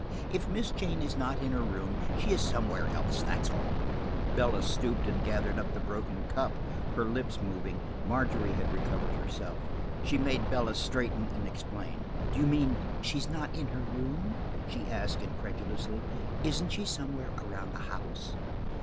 If Miss Jane is not in her room, she is somewhere else, that's all." Bella stooped and gathered up the broken cup, her lips moving. Margery had recovered herself. She made Bella straighten and explain. "Do you mean–she is not in her room?" she asked incredulously. "Isn't she somewhere around the house?"